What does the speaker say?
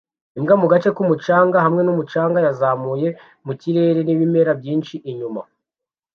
Imbwa mu gace k'umucanga hamwe n'umucanga yazamuye mu kirere n'ibimera byinshi inyuma